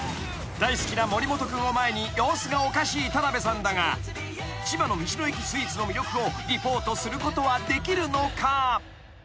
［大好きな森本君を前に様子がおかしい田辺さんだが千葉の道の駅スイーツの魅力をリポートすることはできるのか？］